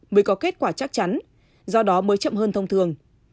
mới có kết quả chắc chắn do đó mới chậm hơn thông thường